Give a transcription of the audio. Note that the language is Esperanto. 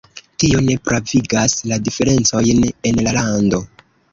Tio ne pravigas la diferencojn en la lando.